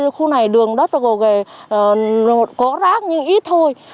ở khu này đường đất có rác nhưng ít thôi